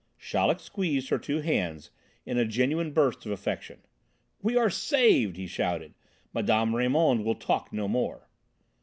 Chaleck squeezed her two hands in a genuine burst of affection. "We are saved!" he shouted. "Mme. Raymond will talk no more!"